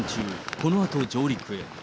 このあと上陸へ。